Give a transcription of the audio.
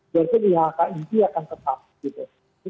berarti ihk ini akan tetap gitu